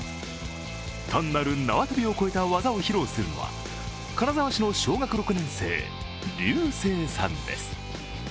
単なる縄跳びを超えた技を披露するのは金沢市の小学６年生、リュウセイさんです。